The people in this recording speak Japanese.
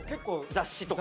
雑誌とか。